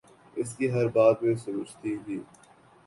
اس کی ہر بات میں سمجھتی تھی